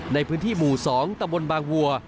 ในพื้นที่หมู่๒ตะบนบางวัว